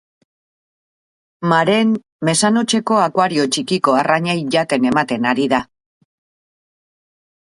Maren mesanotxeko akuario txikiko arrainei jaten ematen ari da.